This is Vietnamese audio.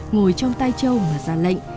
ngồi trong tay trâu mà ra lệnh